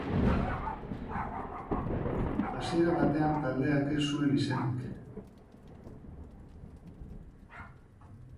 Hasiera batean taldeak ez zuen izenik.